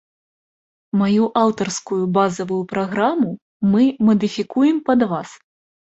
Маю аўтарскую базавую праграму мы мадыфікуем пад вас.